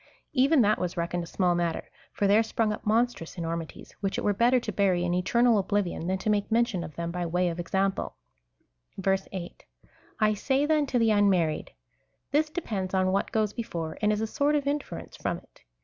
Even that Avas reckoned a small matter ; for there sprung up monstrous enormities, AA^hich it were better to bury in eternal oblivion than to make mention of them by Avay of examj)le.'' 8. / say, then, to the unmarried. This depends on Avhat goes before, and is a sort of inference from it.